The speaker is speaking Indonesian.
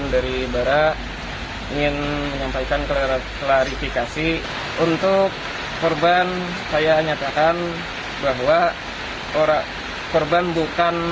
dari bara ingin menyampaikan klarifikasi untuk korban saya nyatakan bahwa orang korban bukan